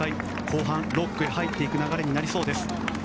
後半、６区入っていく流れになりそうです。